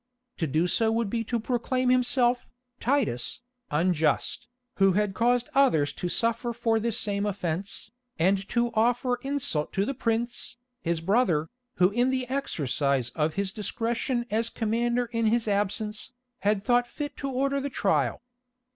To do so would be to proclaim himself, Titus, unjust, who had caused others to suffer for this same offence, and to offer insult to the prince, his brother, who in the exercise of his discretion as commander in his absence, had thought fit to order the trial.